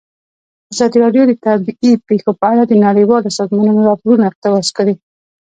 ازادي راډیو د طبیعي پېښې په اړه د نړیوالو سازمانونو راپورونه اقتباس کړي.